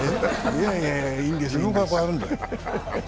いやいや、いいんですよ。